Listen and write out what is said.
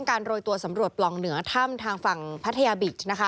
การโดยตัวสำรวจปล่องเหนือถ้ำทางฝั่งพัทยาบิด